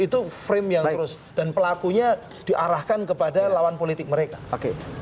itu frame yang terus dan pelakunya diarahkan kepada lawan politik mereka